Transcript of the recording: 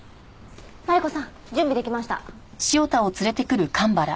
マリコさん準備できました。